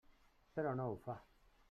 Però no ho fa.